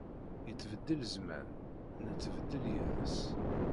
Yettbeddil zzman, nettbeddil yid-s.